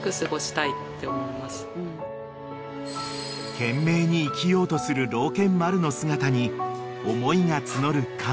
［懸命に生きようとする老犬マルの姿に思いが募る嘉門］